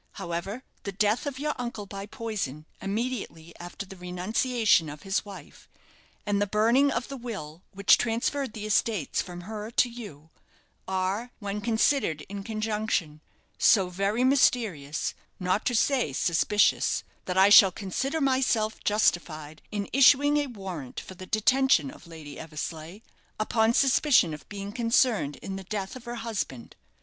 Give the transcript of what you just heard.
However, the death of your uncle by poison immediately after the renunciation of his wife, and the burning of the will which transferred the estates from her to you, are, when considered in conjunction, so very mysterious not to say suspicious that I shall consider myself justified in issuing a warrant for the detention of Lady Eversleigh, upon suspicion of being concerned in the death of her husband.